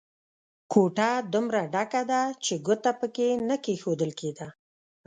کوټه دومره ډکه ده چې ګوته په کې نه کېښول کېده.